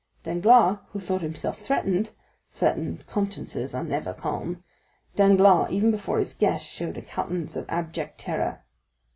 Danglars, who thought himself threatened (certain consciences are never calm),—Danglars even before his guests showed a countenance of abject terror.